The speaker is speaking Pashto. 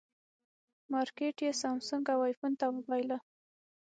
مارکېټ یې سامسونګ او ایفون ته وبایله.